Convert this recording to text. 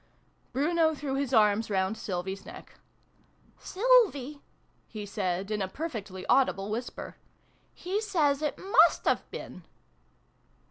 Bruno threw his arms round Sylvie's neck. " Sylvie !" he said, in a perfectly audible whisper. "He says it must have been!"